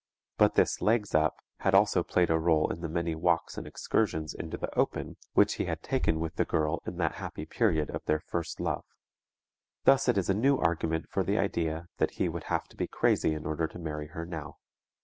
But this "legs up" had also played a role in the many walks and excursions into the open which he had taken with the girl in that happy period in their first love. Thus it is a new argument for the idea that he would have to be crazy in order to marry her now.